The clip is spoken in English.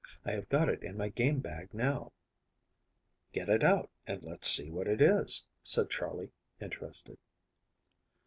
I have got it in my game bag now." "Get it out and let's see what it is," said Charley, interested.